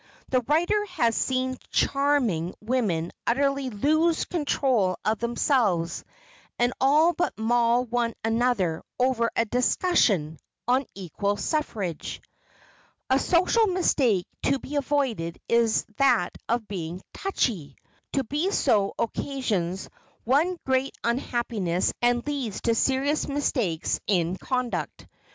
The writer has seen charming women utterly lose control of themselves and all but maul one another over a "discussion" on equal suffrage. A social mistake to be avoided is that of being "touchy." To be so occasions one great unhappiness and leads to serious mistakes in conduct.